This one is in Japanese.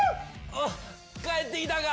おっ帰ってきたか。